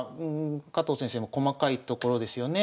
加藤先生も細かいところですよね。